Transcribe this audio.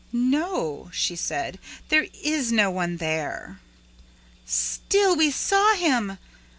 "No," she said, "there is no one there." "Still, we saw him!"